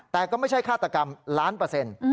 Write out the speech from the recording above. แต่ก็ไม่ใช่ฆาตกรรมล้านเปอร์เซ็นต์